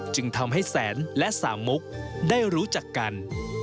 จึงทำให้แสนและสามมุกได้รู้จักกัน